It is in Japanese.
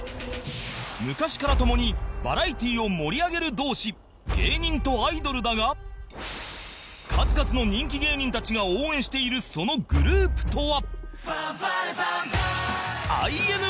昔から共にバラエティを盛り上げる同志芸人とアイドルだが数々の人気芸人たちが応援しているそのグループとは